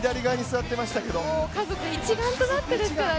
家族一丸となってですからね。